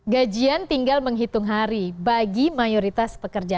gajian tinggal menghitung hari bagi mayoritas pekerja